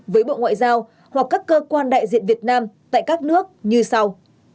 với bộ ngoại giao hoặc các cơ quan đại diện việt nam tại các nước như sau